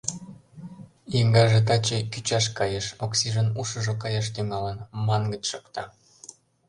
Еҥгаже таче кӱчаш кайыш, Оксижын ушыжо каяш тӱҥалын, мангыч шокта.